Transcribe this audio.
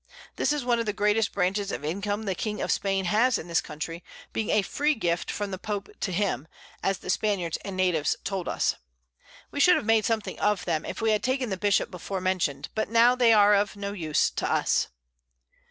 This is one of the greatest Branches of Income the King of Spain has in this Country, being a free Gift from the Pope to him, as the Spaniards and Natives told us. We should have made something of them, if we had taken the Bishop before mentioned; but now they are of no use to us.